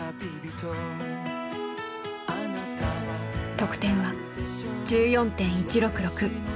得点は１４．１６６。